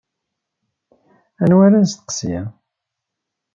Anwa ara nesteqsi?